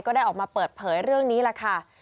ได้ออกมาเปิดเผยเรื่องนี้แหละค่ะ